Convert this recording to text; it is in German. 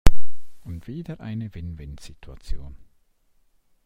Und wieder eine Win-win-Situation!